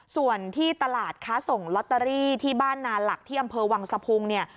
ส่วนที่ตลาดค้าส่งลอตเตอรี่ที่บ้านนาหลักที่อำเภอวังสะพุงเนี่ย